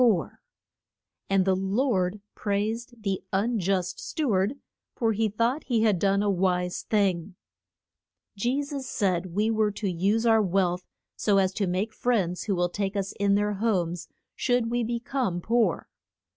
[Illustration: THE UN JUST STEW ARD.] And the lord praised the un just stew ard, for he thought he had done a wise thing. Je sus said we were to use our wealth so as to make friends who will take us in their homes should we be come poor.